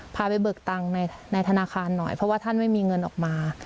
พาไปเบิกตังค์ในธนาคารหน่อยเพราะว่าท่านไม่มีเงินออกมา